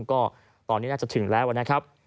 ก็ตอนนี้น่าจะถึงแล้วนะครับ